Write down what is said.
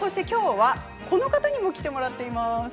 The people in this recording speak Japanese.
きょうは、この方にも来てもらっています。